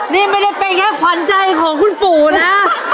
นี่ไม่ได้เป็นแค่ขวัญใจของคุณปู่นะ